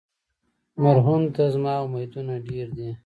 مرهون ته زما امیدونه ډېر دي.